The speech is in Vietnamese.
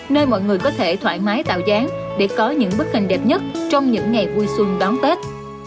nơi mọi người có thể thoải mái tạo dáng để có những bức hình đẹp nhất trong những ngày vui xuân đón tết